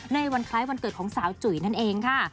ในวันคล้ายวันเกิดของสาวจุ๋ยนั่นเองค่ะ